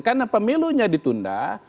karena pemilunya ditunduk